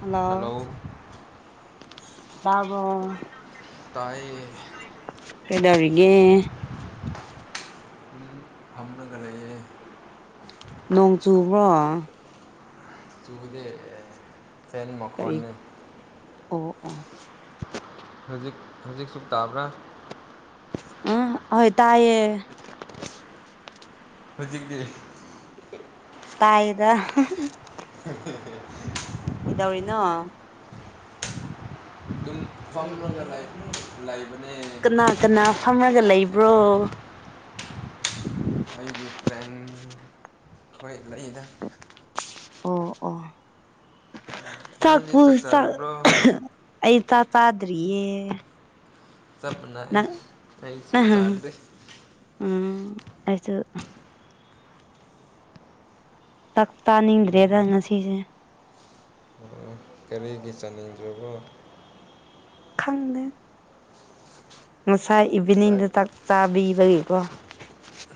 Hello ꯇꯥꯕ꯭ꯔꫭ꯫ ꯇꯥꯌꯦ꯫ [inaudible] ꯀꯩꯗꯧꯔꯤꯒꯦ ꯅꯣꯡ ꯆꯨꯕ꯭ꯔꯣ꯫ ꯆꯨꯒꯗ ꯐꯔꯤꯃꯈ ꯀꯔꯤ ꯑꯅꯤ ꯑꯣ ꯑꯣ ꯍꯧꯖꯤꯛ ꯍꯧꯖꯤꯛꯁꯨ ꯇꯥꯕ꯭ꯔꯥ ꯑ ꯍꯣꯏ ꯇꯥꯏꯌꯦ ꯍꯧꯖꯤꯛꯇꯤ ꯇꯥꯏꯗ ꯎ ꯑꯗꯨꯗꯧꯔꯤꯅꯣ ꯑꯗꯨꯝ ꯐꯝ ꯂꯣ ꯂꯥꯏꯐ ꯂꯥꯏꯐ ꯀꯅꯥ ꯀꯅꯥ ꯐꯝꯃꯒ ꯂꯩꯕ꯭ꯔꯣ ꯑꯩꯒꯤ ꯐ꯭ꯔꯦꯟ ꯑꯩꯣꯏ ꯂꯩꯗ ꯑꯣ ꯑꯣ ꯅꯪꯗꯤ ꯆꯥꯛꯄ ꯆꯥꯛ ꯆꯥꯔꯕ꯭ꯔꯣ ꯑꯩ ꯆꯥꯛ ꯄꯥꯗꯔꯤꯌꯦ ꯁꯝꯅꯦ ꯑꯩ ꯁꯥꯗꯗ ꯎꯝ ꯑꯩꯁꯨ ꯇꯛ ꯎꯝ ꯇꯥꯅꯤꯡꯗ꯭ꯔꯦꯗ ꯉꯁꯤꯁꯦ ꯑꯣ ꯀꯔꯤꯒꯤ ꯆꯥꯅꯤꯡꯗ꯭ꯔꯕꯣ ꯈꯪꯗꯦ ꯉꯁꯥꯏ ꯆꯥꯛ ꯏꯚꯤꯅꯤꯡꯗꯥꯛ ꯆꯥꯕꯤꯕꯒꯤꯀꯣ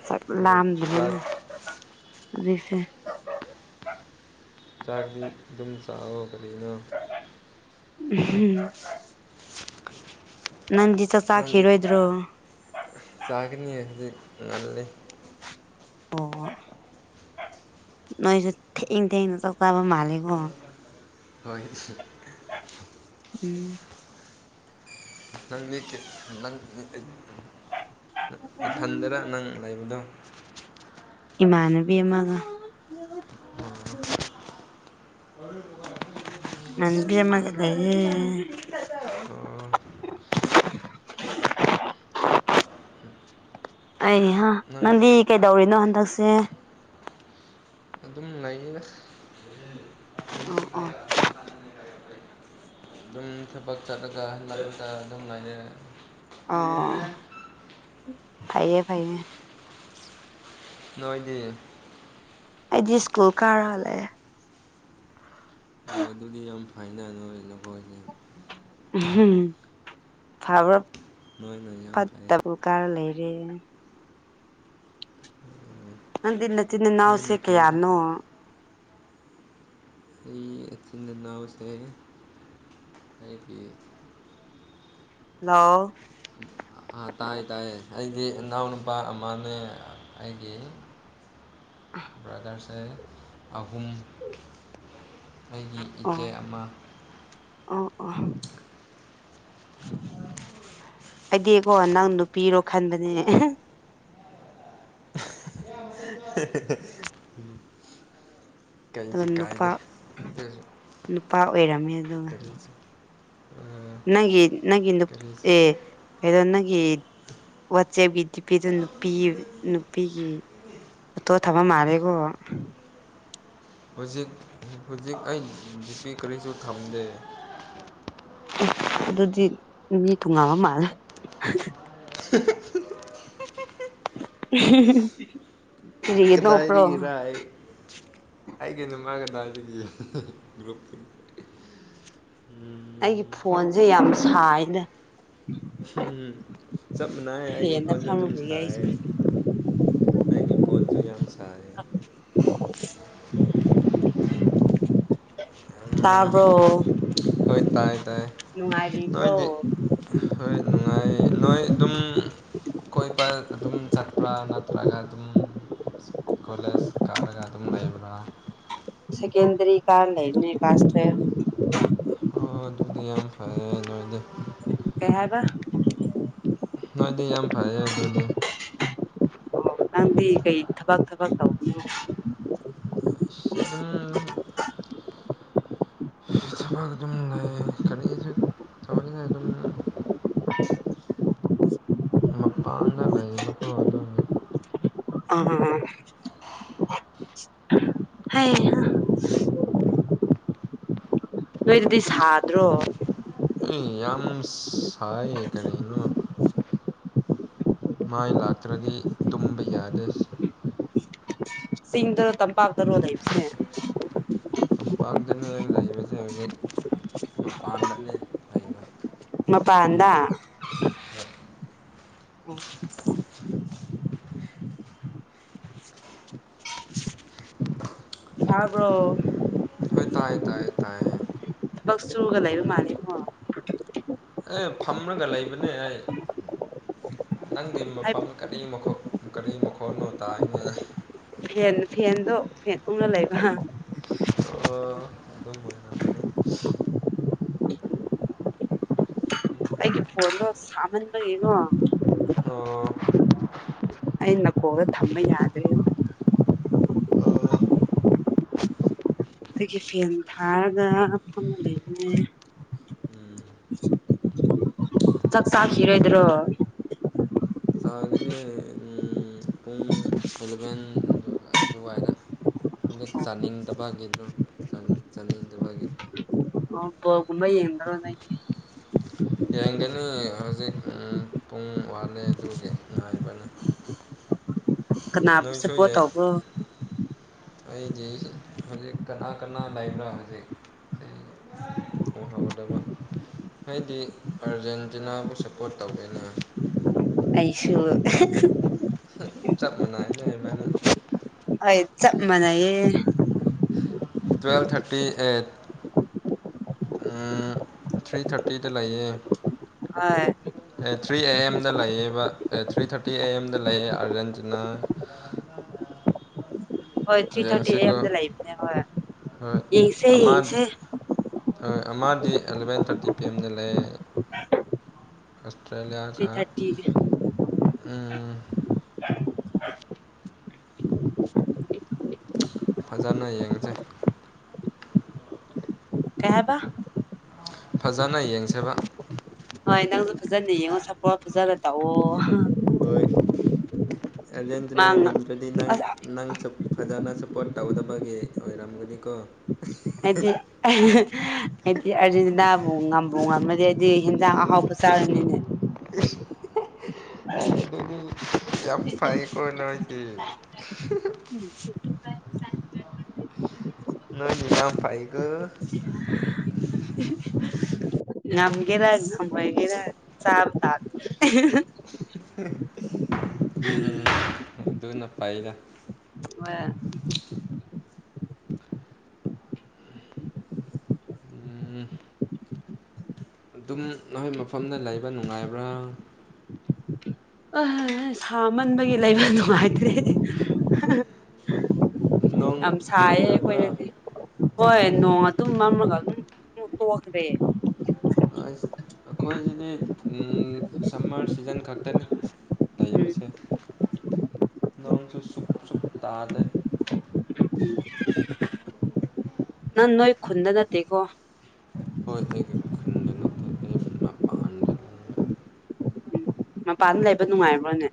ꯆ ꯆꯥꯛ ꯂꯝꯗꯅꯅ ꯑꯗꯨꯖꯤꯁꯦ ꯆꯥꯛꯗꯤ ꯑꯗꯨꯝ ꯆꯥꯛꯑꯣ ꯀꯔꯤꯅꯣ ꯍꯝ ꯅꯟꯁ ꯆꯈꯤ ꯍꯔꯣꯏꯗꯣ ꯀꯒꯅꯤꯗꯤ ꯉꯜꯦ ꯑꯣ ꯅꯣꯏꯁꯨ ꯊꯦꯡꯤꯡ ꯊꯦꯡꯤꯡ ꯅ ꯆ ꯆꯥꯕ ꯃꯥꯜꯦꯀꯣ ꯍꯣꯏ ꯎꯝ ꯅꯪꯌꯦꯛ ꯅꯪ ꯊꯟꯗꯔꯥ ꯅꯪ ꯂꯩꯕꯗꯣ ꯏꯃꯥꯟꯅꯕꯤ ꯑꯃꯒ ꯃꯟꯕꯤꯃꯒ ꯂꯩꯌꯦꯦ [unintelligible] ꯑꯣ ꯑꯩ ꯍ ꯅꯪ ꯅꯪꯗꯤ ꯀꯩꯗꯧꯔꯤꯅꯣ ꯍꯟꯗꯛꯁꯦ ꯑꯗꯨꯝ ꯂꯩꯌꯦꯗ ꯑ ꯑꯥ [unintelligible] ꯊꯕꯛ ꯆꯠꯂꯒ ꯃꯔꯛꯇ ꯑꯗꯨꯝ ꯂꯩꯔ‌ꯦ ꯑꯣ ꯐꯩꯌꯦ ꯐꯩꯌꯦ ꯅꯣꯏꯗꯤ ꯑꯩꯗꯤ ꯁ꯭ꯀꯨꯜ ꯀꯥꯔ ꯍꯜꯂꯛꯑꯦ ꯑꯣ ꯑꯗꯨꯗꯤ ꯌꯥꯝ ꯐꯥꯏꯅ ꯅ‌ꯣꯏ ꯅꯈ‌ꯣꯏꯗꯤ ꯐꯥꯕꯔ ꯅꯣꯏꯅ ꯌꯥꯝ ꯐꯩ ꯐꯠꯇꯕꯨ ꯀꯥꯔ ꯂꯩꯔꯦ ꯅꯪꯗꯤ ꯅꯆꯤꯟ ꯅꯣꯏꯅ ꯅꯅꯥꯎꯁꯦ ꯐꯩꯗ ꯀꯌꯥꯅꯣ ꯑꯩ ꯑꯆꯤꯟ ꯑꯅꯥꯎꯁꯦ ꯑꯩꯒꯤ ꯍꯜꯂꯣ ꯎꯝ ꯑꯥ ꯇꯥꯏꯌꯦ ꯇꯥꯏꯌꯦ ꯑꯩꯗꯤ ꯏꯅꯥꯎ ꯅꯨꯄꯥ ꯑꯃꯅꯦ ꯑꯩꯒꯤ ꯕ꯭ꯔꯥꯗꯔꯁꯦ ꯑꯍꯨꯝ ꯑꯩꯒꯤ ꯏꯆꯦ ꯑꯃ ꯑ ꯑ ꯑꯩꯗꯤꯀꯣ ꯅꯪ ꯅꯨꯄꯤꯔꯣ ꯈꯟꯕꯅꯦ [unintelligible] ꯑꯗꯨꯒ ꯀꯩꯁꯨ ꯅꯨꯄꯥ ꯀꯥꯏꯗꯦ ꯑꯗꯨꯁꯨ ꯅꯨꯄꯥ ꯑꯣꯏꯔꯝꯃꯦ ꯑꯗꯨꯒ ꯀꯔꯤꯁꯨ ꯅꯪꯒꯤ ꯅꯪꯒꯤ ꯅꯨ ꯀꯔꯤꯁꯨ ꯑꯦ ꯀꯩꯅꯣ ꯅꯪꯒꯤ ꯋꯥꯆꯦꯞꯒꯤ ꯗꯤꯄꯤꯗꯨ ꯅꯨꯄꯤ ꯅꯨꯄꯤꯒꯤ ꯐ‌ꯣꯇꯣ ꯊꯥꯕ ꯃꯥꯜꯂꯦꯀꯣ ꯍꯧꯖꯤꯛ ꯍꯧꯖꯤꯛ ꯑꯩ ꯗꯤꯄꯤ ꯀꯔꯤꯁꯨ ꯊꯝꯗꯦ ꯑꯗꯨꯗꯤ ꯃꯤ ꯊꯨꯡꯉꯕ ꯃꯥꯜꯂꯦ ꯍ [unintelligible] [unintelligible] ꯅꯣꯛꯄ꯭ꯔꯣ ꯀꯗꯥꯏꯗꯒꯤꯔ ꯑꯩ ꯑꯩꯗꯤ [unintelligible] ꯅꯨꯡꯃꯥꯒ ꯍꯥꯕꯒꯤ ꯒꯔꯨꯞ ꯑꯩꯒꯤ ꯐꯣꯟꯁꯦ ꯌꯥꯝ ꯁꯥꯏꯅ ꯎꯝ ꯆꯞ ꯃꯥꯟꯅꯩ ꯑꯩꯒꯤ ꯐꯦꯟꯗ ꯐꯣꯟꯁꯨ ꯐꯝꯃ ꯑꯗꯨꯝ ꯂꯩꯌꯦ ꯑꯩꯁꯨ ꯁꯥꯏ ꯑꯩꯒꯤ ꯐꯣꯟꯁꯨ ꯌꯥꯝ ꯁꯥꯏꯌ‌ꯦ ꯎꯝ ꯇꯥꯕ꯭ꯔꯣ ꯍꯣꯏ ꯇꯥꯏ ꯇꯥꯏ ꯅꯨꯡꯉꯥꯏꯔꯤꯕ꯭ꯔꯣ ꯅꯣꯏꯗꯤ ꯍꯣꯏ ꯅꯨꯡꯉꯥꯏꯌꯦ ꯅꯣꯏ ꯑꯗꯨꯝ ꯀꯣꯏ ꯏꯄꯥ ꯑꯗꯨꯝ ꯆꯠ ꯄ꯭ꯔꯥ ꯅꯠꯇ꯭ꯔꯒꯥ ꯑꯗꯨꯝ ꯀꯣꯂꯦꯁ ꯀꯥꯔꯒꯥ ꯗꯨꯝ ꯂꯥꯏꯕ꯭ꯔ ꯁꯦꯀꯦꯟꯗꯔꯤ ꯀꯥꯔ ꯂꯩꯥꯕꯅ‌ꯦ ꯀꯂꯥꯁ ꯇꯨꯌ‌ꯦꯜꯞ ꯍꯣꯏ ꯑꯗꯨꯗꯤ ꯌꯥꯝ ꯐꯔꯦ ꯑꯗ‌ꯣꯏꯗꯤ [unintelligible] ꯍꯥꯏꯕ ꯅꯣꯏꯗꯤ ꯌꯥꯝ ꯐꯩꯌꯦ ꯑꯗꯨꯗꯤ ꯅꯪꯗꯤ ꯀꯩ ꯊꯕꯛ ꯊꯕꯥꯛ ꯇꯧꯕꯅ‌ꯣ ꯑꯁ ꯑꯗꯨꯝ ꯊꯕꯛ ꯑꯗꯨꯝ ꯂꯩ ꯀꯔꯤꯁꯨ ꯇꯧꯔꯤꯉꯥꯏ ꯑꯗꯨꯝ ꯃꯄꯥꯟꯗ ꯂꯩꯕꯀꯣ ꯑꯗꯨꯒꯤ [unintelligible] ꯍꯩꯍꯥ ꯅ‌ꯣꯏꯗꯗꯤ ꯁꯥꯗ꯭ꯔꯣ ꯑꯦ ꯌꯥꯝ ꯁꯥꯏ ꯀꯔꯤꯅ‌ꯣ ꯃꯥꯏ ꯂꯥꯛꯇ꯭ꯔꯗꯤ ꯇꯨꯝꯕ ꯌꯥꯗ‌ꯦ ꯑꯁ ꯁꯤꯁꯤꯡꯗ ꯇꯝꯄꯥꯛꯗꯔꯣ ꯂꯩꯁꯦ ꯇꯝꯄꯥꯛꯇꯅ ꯂꯩꯕꯁꯦ ꯍꯧꯖꯤꯛ ꯃꯄꯥꯟꯗꯅꯦ ꯂꯩꯕ ꯃꯄꯥꯥꯟꯗ ꯍ ꯇꯥꯕ꯭ꯔꯣ ꯍꯣꯏ ꯇꯥꯏꯌꯦ ꯇꯥꯏꯌꯦ ꯇꯥꯏꯌꯦ ꯊꯕꯛ ꯆꯨꯔꯒ ꯂꯩꯔꯨ ꯎꯝ ꯃꯥꯂꯦ ꯍ ꯑꯦ ꯐꯝꯃꯒ ꯂꯩꯕꯅꯦ ꯑꯩ ꯅꯪꯗꯤ ꯍꯥꯏꯕꯗꯤ ꯃꯐꯝ ꯀꯔꯤ ꯃꯈꯣ ꯀꯔꯤꯃ ꯈꯣꯟꯅꯣ ꯇ ꯏ ꯐꯦꯟ ꯐꯦꯟꯗꯣ ꯐꯦꯟ ꯎꯅ ꯂꯩꯕ ꯑꯗꯨꯒꯤ ꯑꯗꯨꯝ ꯑꯃꯅꯤꯅꯤ ꯐꯗꯣ ꯁꯃꯥꯟꯕ ꯌꯦꯡꯉꯣ ꯑꯣ ꯑꯩ ꯃꯀꯣꯡꯗ ꯊꯝꯕ ꯌꯥꯗ꯭꯭ꯔꯔꯤ ꯑꯣ ꯑꯩꯒꯤ ꯐꯦꯟ ꯊꯥꯔꯒ ꯃ ꯑꯃ ꯂꯩꯕꯅꯦ ꯎꯝ ꯆꯥꯛ ꯆꯥꯈꯤꯔ‌ꯣꯏꯗ꯭ꯔꯣ ꯆꯥꯒꯅꯤ ꯄꯨꯡ ꯑꯦꯂꯚꯦꯟ ꯑꯗꯨꯋꯥꯏꯗ ꯍꯟꯗꯛ ꯆꯥꯅꯤꯡꯗꯕꯒꯤꯗꯣ ꯆꯥ ꯆꯥꯅꯤꯡꯗꯕꯒꯤ ꯑ ꯕ‌ꯣꯜꯒꯨꯝꯕ ꯌꯦꯡꯗꯔ‌ꯣ ꯅ‌ꯣꯏꯗꯤ ꯌꯦꯡꯒꯅꯤ ꯍꯧꯖꯤꯛ ꯄꯨꯡ ꯎꯝ ꯋꯥꯠꯂꯦ ꯑꯗꯨꯒꯤ ꯉꯥꯏꯕꯅꯤ [inaudible] ꯀꯅꯥꯕꯨꯁꯨꯦ ꯄꯣꯠꯇꯥꯎꯕ ꯑꯩꯁ ꯍꯧꯖꯤꯛ ꯀꯅꯥ ꯀꯅꯥ ꯂꯩꯕ꯭ꯔꯥ ꯍꯧꯖꯤꯛ ꯃꯍꯍꯒꯗꯕ ꯑꯩꯗꯤ ꯑꯥꯔꯖꯦꯟꯇꯤꯅꯥꯕꯨ ꯁꯞꯄꯣꯔꯠ ꯇꯧꯋꯦꯅ ꯑꯩꯩꯁꯨꯣ ꯆꯥꯞꯅ ꯍꯥꯏꯅꯦ ꯃꯥꯅ ꯍ ꯆꯞ ꯃꯅꯥꯌꯦ ꯇ꯭ꯨꯋꯦꯜ ꯊꯥꯔꯇꯤ ꯑꯩꯠ ꯊ꯭ꯔꯤ ꯊꯥꯔꯇꯤꯗ ꯂꯩꯌꯦ ꯑ ꯑꯦ ꯊ꯭ꯔꯤ ꯑꯦ ꯑꯦꯝꯗ ꯂꯩꯌꯦ ꯕ ꯊ꯭ꯔꯤ ꯊꯥꯔꯇꯤ ꯑꯦ ꯑꯦꯝꯗ ꯂꯩꯑ ꯑꯥꯔꯖꯦꯟꯇꯤꯅꯥ [inaudible] ꯍꯣꯏ ꯊ꯭ꯔꯤ ꯊꯥꯔꯇꯤ ꯑꯦ ꯑꯦꯖꯦꯟꯁꯦꯀ ꯑꯦꯝꯗ ꯂꯩꯕꯅꯦ ꯍꯣꯏ ꯍꯣꯏ ꯌꯦꯡꯁꯦ ꯑ ꯌꯦꯡꯁꯦ ꯍꯣꯏ ꯑꯃꯗꯤ ꯑꯦꯂꯚꯦꯟ ꯊꯥꯔꯇꯤ ꯄꯤ ꯑꯦꯝꯗ ꯂꯩꯦ ꯑꯁ ꯑꯁꯇ꯭ꯔꯦꯂꯤꯌꯥ ꯊ꯭ꯔꯤ ꯀ ꯊꯥꯔꯇꯤ ꯀꯩ ꯎ ꯐꯖꯅ ꯌꯦꯡꯁꯩ ꯀꯌꯥꯕ ꯐꯖꯅ ꯌꯦꯡꯖꯕ ꯍꯣꯏ ꯅꯪꯁꯨ ꯐꯖꯅ ꯌꯦꯡꯉꯣ ꯁꯄꯣ ꯐꯖꯜꯂ ꯇꯥꯛꯑꯣ ꯍꯣꯏ ꯑꯔꯖꯦꯟꯇꯤꯅꯥ ꯃꯥꯡ ꯉꯝꯗ꯭ꯔꯗꯤ ꯅꯪ ꯑꯁ ꯅꯪ ꯐꯖꯅ ꯁꯞꯄꯣꯔꯠ ꯇꯧꯗꯕꯒꯤ ꯑꯣꯏꯔꯝꯒꯅꯤꯀꯣ ꯍꯥꯏꯗꯤ ꯍꯥꯏꯗꯤ ꯑꯔꯖꯦꯟꯇꯤꯅꯥꯕꯨ ꯉꯝꯕ ꯉꯝꯃꯗꯤ ꯍꯥꯏꯗꯤꯤꯟ ꯌꯥ ꯍꯥꯎꯕꯨ ꯆꯥꯔꯅꯤꯅꯦ ꯑꯗꯨ ꯌꯥꯝ ꯐꯔ ꯀꯅꯣꯏ ꯀ ꯅꯣꯏꯖꯖꯤꯔꯥ ꯐꯥꯏꯒ ꯉꯝꯒꯦꯔꯝꯒꯦꯔ ꯆꯥꯕ ꯇ ꯎꯝ ꯑꯗꯨꯅ ꯄꯥꯏꯒ ꯍ ꯎꯝ ꯑꯗꯨꯝ ꯅꯈꯣꯏ ꯃꯐꯝꯗ ꯂꯩꯕ ꯅꯨꯡꯉꯥꯏꯕ꯭ꯔꯥ ꯁꯥꯃꯟꯕꯒꯤ ꯂꯩꯕ ꯅꯨꯡꯉꯥꯏꯇ꯭ꯔꯦ ꯅꯣꯡ ꯌꯥꯝ ꯁꯥꯏꯌꯦ ꯆꯨꯗ꯭ꯔꯕ꯭ꯔꯥ ꯑꯩꯈꯣꯏꯗꯗꯤ ꯍꯣꯏ ꯑꯣ ꯅꯣꯡ ꯑꯗꯨꯨꯝ ꯑꯃꯝꯃꯒ ꯑꯗꯨꯝ ꯇꯣꯈꯗꯦ ꯑꯩꯈꯣꯏꯁꯤꯗꯤ ꯁꯝꯃꯔ ꯁꯤꯖꯟ ꯈꯛꯇꯅꯤ ꯎꯝ ꯇꯏꯕꯁꯦ ꯅꯣꯡꯁꯨꯨ ꯁꯨ ꯁꯨ ꯇꯥꯗ ꯅꯪ ꯅꯣꯏ ꯈꯨꯟ ꯅ ꯇꯦꯒꯣ ꯍꯣꯏ ꯑꯩꯒꯤ ꯈꯨꯟꯗ ꯉ ꯑꯩ ꯃꯄꯥꯟꯗ ꯂꯩ ꯃꯄꯥꯟꯗ ꯂꯩꯕ ꯅꯨꯡꯉꯥꯏꯕ꯭ꯔꯣꯅꯦ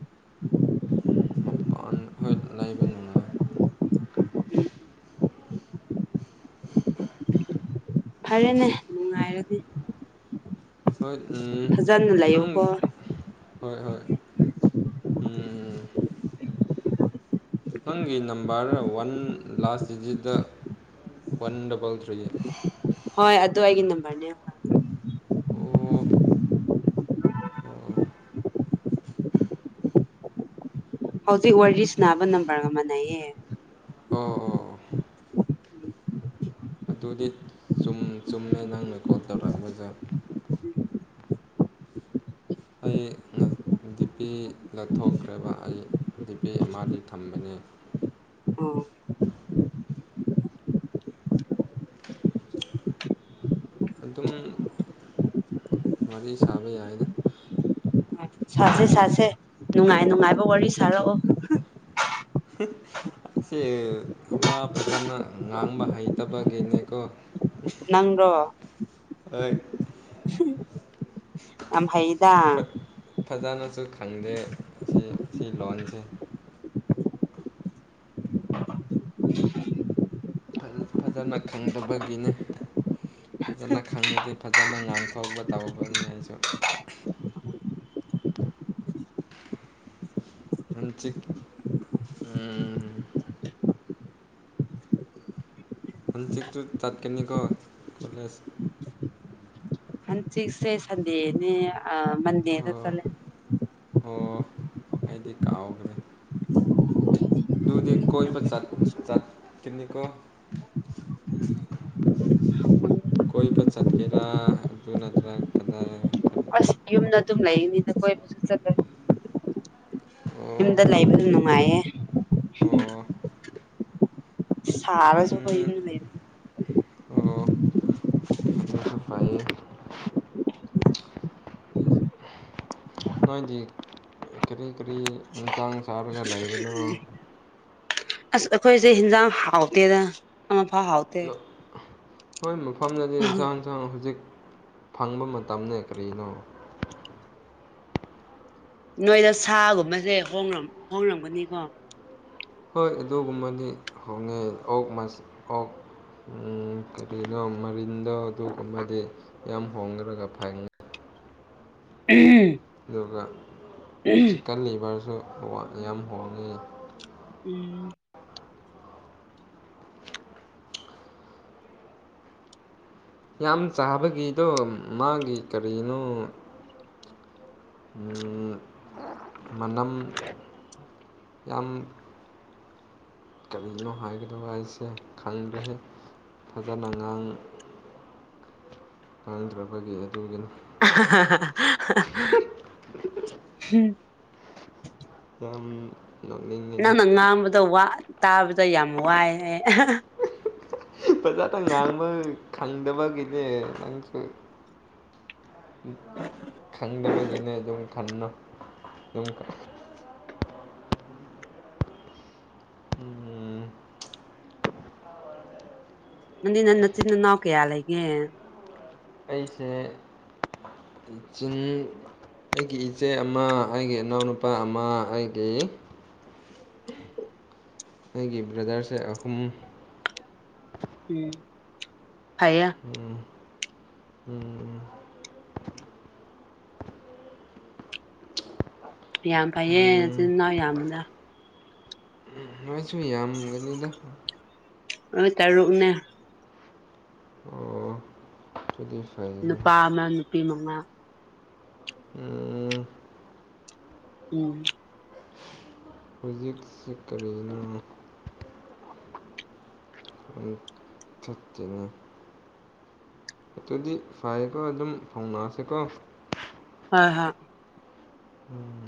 ꯃꯄꯥꯟ ꯍ ꯂꯩ ꯂꯩꯕꯅꯨꯡ ꯎꯝ ꯐꯔꯦꯅꯦ ꯅꯨꯡꯉꯥꯏꯔꯗꯤ ꯁꯣꯏ ꯐꯖꯅ ꯂꯩꯌꯨꯀꯣ ꯍꯣꯏ ꯍꯣꯏ ꯎ ꯅꯪꯒꯤ ꯅꯝꯕꯔ ꯋꯥꯟ ꯂꯥꯁ ꯗꯤꯖꯤꯠꯠꯇ ꯋꯥꯟ ꯗꯕꯜ ꯊ꯭ꯔꯤ ꯍꯣꯏ ꯑꯗꯨ ꯑꯩꯒꯤ ꯅꯝꯕꯔꯅꯦ ꯑꯣ ꯑꯣ ꯍꯧꯖꯤꯛ ꯋꯥꯔꯤꯁ ꯅꯥꯕ ꯅꯝꯕꯔ ꯑꯃꯅꯦꯌꯦ ꯑꯣ ꯑꯣ ꯑꯗꯨꯗꯤ ꯆꯨꯝꯃꯦ ꯅꯪꯅ ꯀꯣꯜ ꯇꯧꯔꯛꯒꯖꯔ ꯑꯩ ꯗꯤꯄꯤꯦꯗ ꯊꯣꯛꯈ꯭ꯔꯦꯕ ꯑꯩ ꯗꯤꯄꯤꯦ ꯑꯃꯗꯤ ꯊꯝꯕꯅꯦ ꯑ ꯑꯗꯨꯝ ꯋꯥꯔꯤ ꯁꯥꯕ ꯌꯥꯏꯅ ꯁꯥꯁꯦ ꯁꯥꯁꯦ ꯅꯨꯡꯉꯥꯏ ꯅꯨꯡꯉꯥꯏꯕ ꯋꯥꯔꯤ ꯁꯥꯔꯛꯑꯣ ꯑꯁꯤꯁ ꯋꯥ ꯐꯖꯅ ꯉꯥꯡꯕ ꯍꯩꯇꯕꯒꯤꯅꯦꯀꯣ ꯅꯪ꯭ꯔꯣ ꯍ ꯌꯥꯝꯝ ꯍꯩꯗ ꯐ- ꯐꯖꯅꯁꯨ ꯈꯪꯗꯦ ꯑꯁꯤ ꯁꯤ ꯂꯣꯟꯁꯦ ꯐꯖꯅ ꯈꯪꯗꯕꯒꯤꯅꯤ ꯐꯖꯅ ꯈꯪꯉꯗꯤ ꯐꯖꯅ ꯉꯥꯡꯊꯣꯛꯄ ꯇꯧꯕꯅꯤ ꯑꯩꯁꯨ ꯃ ꯆꯤ ꯎ ꯍ ꯊ ꯇ ꯇꯥꯛ ꯀꯅꯤꯀꯣ ꯀꯂꯦꯖ ꯍꯟ ꯁꯤꯛꯁꯦ ꯁꯟꯗꯦꯅꯦ ꯃꯟꯗꯦꯗ ꯑꯣ ꯆꯠꯂꯦꯅꯦ ꯑꯣ ꯑꯩꯗꯤ ꯀꯥꯎꯈ꯭ꯔꯦ ꯂꯗꯨꯗ ꯀꯣꯏ ꯄ ꯆ ꯆꯥꯇꯅꯤ ꯀꯣ ꯎꯝ ꯀꯣꯏ ꯄ ꯆꯠꯀꯦꯔꯥ ꯑꯗꯨ ꯑꯗꯨ ꯅꯠꯇ꯭ꯔ ꯀ ꯑꯁ ꯌꯨꯝꯗ ꯑꯗꯨꯝ ꯂꯩꯅꯤꯅ ꯀꯣꯏꯕꯁꯨ ꯆꯠꯂꯦ ꯑꯣ ꯌꯨꯝꯗ ꯂꯩꯕ ꯑꯗꯨ ꯅꯨꯡꯉꯥꯏꯌꯦ ꯑꯣ ꯁꯔꯁꯨ ꯀꯏ ꯎꯝ ꯂꯩꯕꯣ ꯐꯠꯇꯁꯨ ꯐꯥꯏ ꯅꯣꯏꯗꯤ ꯀꯔꯤ ꯀꯔꯤ ꯏꯟꯁꯥꯡ ꯆꯥꯔꯒ ꯂꯩꯕꯅꯣ ꯑꯁ ꯑꯩꯈꯣꯏꯁꯦ ꯍꯟꯖꯥꯡ ꯍꯥꯎꯇꯦꯗ ꯍꯥꯎꯇꯦ ꯍꯣꯏ ꯃꯐꯝꯗꯗꯤ ꯏꯟꯁꯥꯡꯁꯥꯡ ꯍꯧꯖꯤꯛ ꯐꯪꯕ ꯃꯇꯝꯅꯦ ꯀꯔꯤꯅꯣ ꯅꯣꯏꯗ ꯁꯥꯒꯨꯝꯕꯁꯦ ꯍꯣꯡꯡꯂꯝꯒꯅꯤꯀꯣ ꯍꯣꯏ ꯑꯗꯨꯒꯨꯝꯕꯗꯤ ꯍꯣꯡꯅꯩ ꯑꯣꯛ ꯑꯣꯛ ꯀꯔꯤꯅꯣ ꯃꯔꯤꯟꯗꯣ ꯑꯗꯨ ꯑꯃꯗꯤ ꯌꯥꯝ ꯍꯣꯡꯈ꯭ꯔꯒ ꯐꯪꯦ ꯎꯝ ꯑꯗꯨꯒ ꯆꯤꯛꯀꯟ ꯂꯤꯚꯔꯁꯨ ꯌꯥꯝ ꯍꯣꯡꯉꯤ ꯎꯝ ꯌꯥꯝ ꯆꯥꯕꯒꯤꯗꯣ ꯃꯥꯒꯤ ꯀꯔꯤꯅꯣ ꯃꯅꯝ ꯌꯥꯝ ꯀꯔꯤꯅꯣ ꯍꯥꯏꯒꯗꯕ ꯑꯩꯁꯦ ꯈꯪꯈ꯭ꯔꯦ ꯐꯖꯠ ꯑꯉꯥꯡ ꯈꯥꯡꯗ꯭ꯔꯕꯒꯤ ꯑꯗꯨꯒꯤꯅ ꯎꯝ ꯑꯝ ꯅꯪꯅ ꯉꯥꯡꯕꯗ ꯇꯥꯕꯗ ꯌꯥꯝ ꯋꯥꯏꯑ ꯐꯖꯥ ꯊ ꯉꯥꯡꯕ ꯈꯪꯗꯕ ꯀꯩꯂꯦ ꯅꯪꯁꯨ ꯈꯪꯗꯕꯒꯤꯅꯦ ꯑꯗꯨꯝ ꯈꯟꯅꯣ ꯑꯗꯨꯝ ꯎꯝ ꯅꯪꯅꯤ ꯅ ꯅꯆꯤꯟꯅꯥꯎ ꯀꯌꯥ ꯂꯩꯒꯦ ꯑꯩꯁꯦ ꯆꯤꯡ ꯑꯩꯒꯤ ꯏꯆꯦ ꯑꯃ ꯑꯩꯒꯤ ꯏꯅꯥꯎꯅꯨꯄꯥ ꯑꯃ ꯑꯩꯒꯤ ꯎ ꯑꯩꯒꯤ ꯕ꯭ꯔꯗꯔꯁꯦ ꯑꯍꯨꯝ ꯎꯝ ꯐ ꯎꯝ ꯎꯝ ꯌꯥꯝ ꯐꯩꯌꯦ ꯎꯝ ꯅꯆꯤꯟꯜꯅꯥꯎ ꯌꯥꯝꯅ ꯅꯣꯏꯁꯨ ꯌꯥꯝꯒꯅꯤꯗ ꯑꯣꯏ ꯇꯔꯨꯛꯅꯦ ꯑꯣ ꯑꯗꯨꯗꯤ ꯐꯩ ꯅꯨꯄꯥ ꯑꯃ ꯅꯨꯄꯤ ꯃꯃꯥ ꯎꯝ ꯎꯝ ꯔꯤꯍꯤꯁ ꯀꯔꯤꯅ ꯑꯊꯠꯇꯅ ꯑꯗꯨꯗꯤ ꯐꯔꯦꯀꯣ ꯑꯗꯨꯝ ꯐꯥꯎꯅꯑꯁꯤꯀꯣ ꯑ ꯍꯥ ꯎꯝ